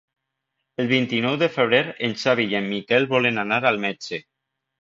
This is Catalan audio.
El vint-i-nou de febrer en Xavi i en Miquel volen anar al metge.